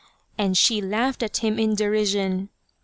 " and she laughed at him in derision.